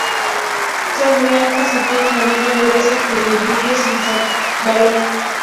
Son blancas, y tienen la misma dureza que el vidrio sin valor.